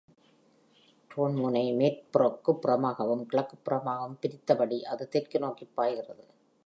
Tuen Mun-ஐ மேற்குப் புறமாகவும் கிழக்குப் புறமாகவும் பிரித்தபடி அது தெற்கு நோக்கி பாய்கிறது.